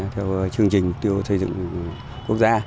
theo chương trình tiêu dựng